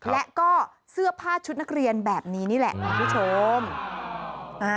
และก็เสื้อผ้าชุดนักเรียนแบบนี้นี่แหละ